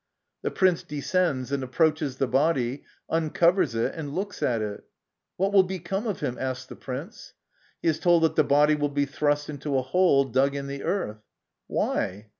The prince descends and approaches the body, uncovers it, and looks at it. * What will become of him ?' asks the prince. He is told that the body will be thrust into a hole dug in the earth. 'Why?'